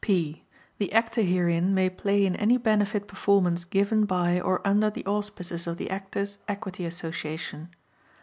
(P) The Actor herein may play in any benefit performance given by or under the auspices of the Actors' Equity Association.